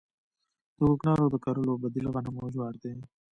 د کوکنارو د کرلو بدیل غنم او جوار دي